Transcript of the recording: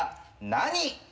何？」